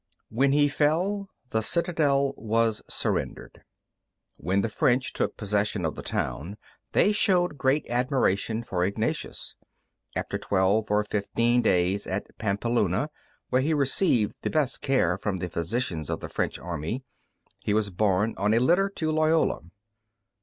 When he fell, the citadel was surrendered. When the French took possession of the town, they showed great admiration for Ignatius. After twelve or fifteen days at Pampeluna, where he received the best care from the physicians of the French army, he was borne on a litter to Loyola.